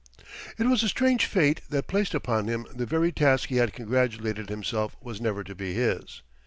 ] It was a strange fate that placed upon him the very task he had congratulated himself was never to be his.